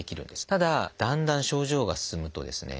ただだんだん症状が進むとですね